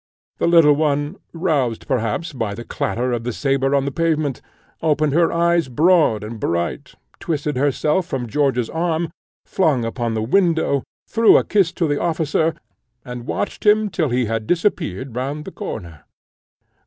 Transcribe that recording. The little one, roused, perhaps, by the clatter of the sabre on the pavement, opened her eyes broad and bright, twisted herself from George's arm, flung open the window, threw a kiss to the officer, and watched him till he had disappeared round the corner.